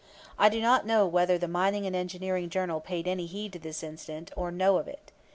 I do not know whether the Mining and Engineering Journal paid any heed to this incident or know of it.